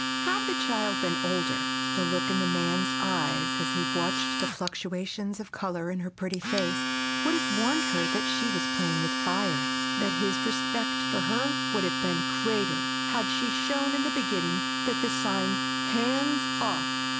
Had the child been older, the look in the man's eyes, as he watched the fluctuations of color in her pretty face, would have warned her that she was playing with fire; that his respect for her would have been greater had she shown in the beginning that the sign, "Hands off!"